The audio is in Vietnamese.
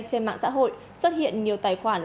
trên mạng xã hội xuất hiện nhiều tài khoản